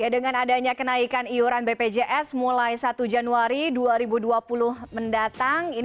dengan adanya kenaikan iuran bpjs mulai satu januari dua ribu dua puluh mendatang